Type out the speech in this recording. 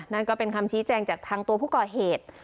นั่นก็เป็นคำชี้แจงจากทางตัวผู้ก่อเหตุ